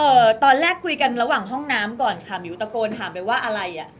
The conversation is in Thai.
ตอนแรกคุยกันระหว่างห้องน้ำก่อนค่ะมิวตะโกนถามไปว่าอะไรอ่ะ